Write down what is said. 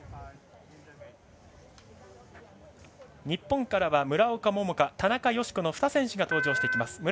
日本からは村岡桃佳田中佳子の２選手が登場します。